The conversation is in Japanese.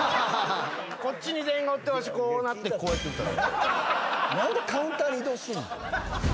こっちに全員がおってわしこうなってこうやって歌う。